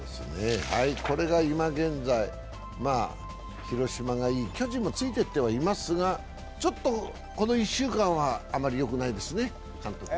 これが今現在、広島がいい、巨人もついていってはいますが、この１週間はあまりよくないですね